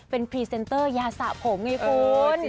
เป็นพูดให้มาว่ายาสะผมไงคุณ